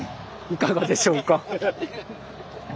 いかがでしょうか。